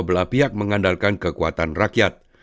belah pihak mengandalkan kekuatan rakyat